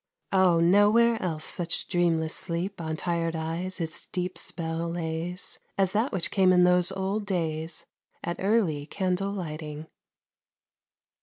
Oh! nowhere else such dreamless sleep On tired eyes its deep spell lays, As that which came in those old days At early candle lighting.